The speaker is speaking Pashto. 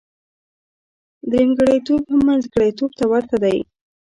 درېمګړتوب هم منځګړتوب ته ورته دی.